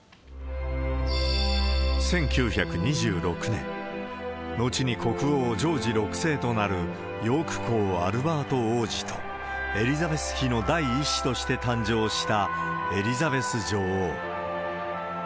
１９２６年、後に国王ジョージ６世となるヨーク公アルバート王子と、エリザベス妃の第１子として誕生したエリザベス女王。